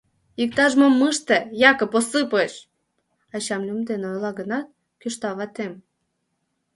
— Иктаж-мом ыште, Якып Осыпыч! — ачам лӱм дене ойла гынат, кӱшта ватем.